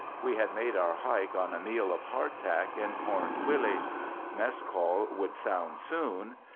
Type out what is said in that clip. We had made our hike on a meal of hardtack and "corned willy." Mess call would sound soon.